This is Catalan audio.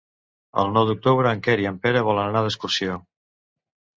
El nou d'octubre en Quer i en Pere volen anar d'excursió.